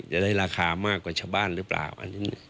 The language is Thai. จะได้ราคามากกว่าชะบ้านหรือเปล่าอันที่หนึ่ง